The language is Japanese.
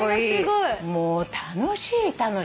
もう楽しい楽しい。